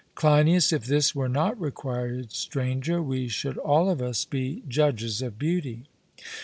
CLEINIAS: If this were not required, Stranger, we should all of us be judges of beauty.